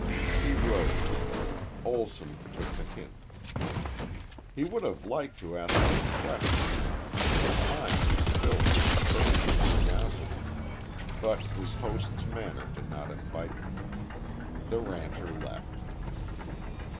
He rose. Olson took the hint. He would have liked to ask some questions, for his mind was filled with a burning curiosity. But his host's manner did not invite them. The rancher left.